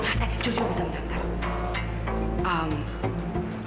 eh juli tunggu tunggu